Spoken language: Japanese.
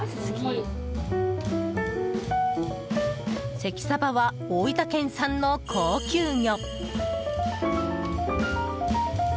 関サバは、大分県産の高級魚。